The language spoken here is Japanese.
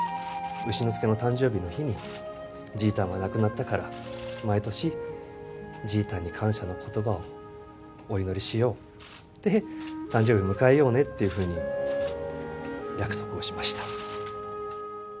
丑之助の誕生日の日にじいたんが亡くなったから、毎年、じいたんに感謝のことばをお祈りしようって、誕生日迎えようねっていうふうに約束をしました。